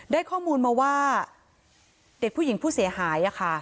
ได้ข้อมูลมาว่าเด็กผู้หญิงผู้เสียหาย